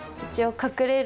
隠れる？